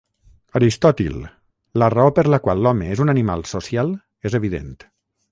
Aristòtil: la raó per la qual l'home és un animal social és evident.